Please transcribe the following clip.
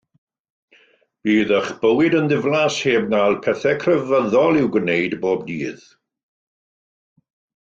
Bydd eich bywyd yn ddiflas heb cael pethau crefyddol i'w gwneud pob dydd.